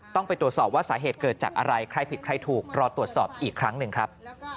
ต้องไปตรวจสอบว่าสาเหตุเกิดจากอะไรใครผิดใครถูกรอตรวจสอบอีกครั้งหนึ่งครับ